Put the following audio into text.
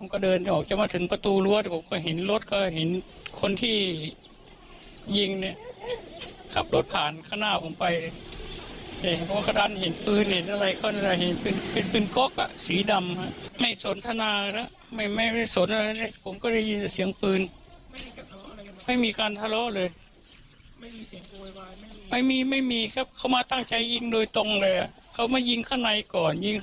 เขามายิงข้างในก่อนยิงข้างในหลายนัดแล้วก็ถึงมายิงข้างนอก